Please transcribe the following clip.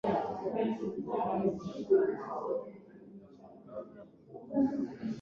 fedha zingine ambazo zinauiano kunapo kuwa na fedha thamani yake ndogo watu watanunua